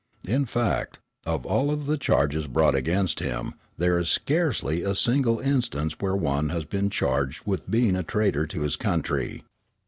In fact, of all the charges brought against him, there is scarcely a single instance where one has been charged with being a traitor to his country.